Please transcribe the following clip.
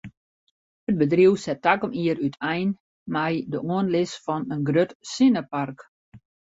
It bedriuw set takom jier útein mei de oanlis fan in grut sinnepark.